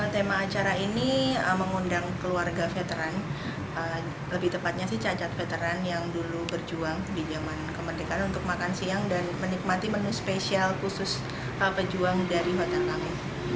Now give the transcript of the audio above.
tema acara ini mengundang keluarga veteran lebih tepatnya si cacat veteran yang dulu berjuang di zaman kemerdekaan untuk makan siang dan menikmati menu spesial khusus pejuang dari hotel kami